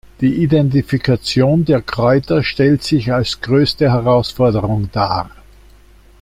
Die Identifikation der Kräuter stellt sich als größte Herausforderung dar.